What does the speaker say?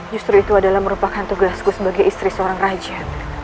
justru itu adalah merupakan tugasku sebagai istri seorang raja